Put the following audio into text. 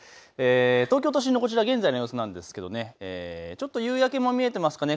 東京都心の現在の様子なんですがちょっと夕焼けも見えていますかね。